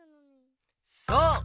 そう！